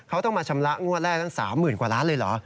เขาต้องมาชำระงวดแรกตั้ง๓๐๐๐กว่าล้านเลยเหรอ